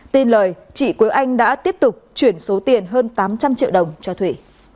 tin lời chị quế anh đã tiếp tục chuyển số tiền hơn tám trăm linh triệu đồng cho thủy